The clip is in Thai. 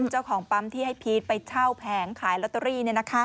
เจ้าของปั๊มที่ให้พีชไปเช่าแผงขายลอตเตอรี่